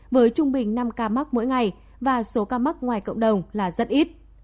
với trung bình năm ca mắc mỗi ngày và số ca mắc ngoài cộng đồng là rất ít